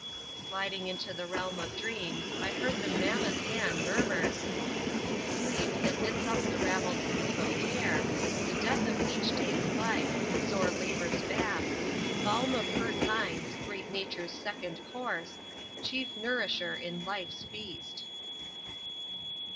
Sliding into the realm of dreams I heard the "mammoth man" murmur: _"Sleep, that knits up the raveled sleeve of care, The death of each day's life, sore labor's bath, Balm of hurt minds, great nature's second course, Chief nourisher in life's feast!"